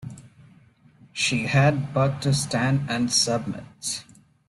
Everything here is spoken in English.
She had but to stand and submit.